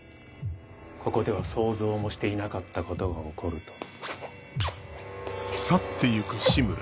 ここでは想像もしていなかったことが起こると。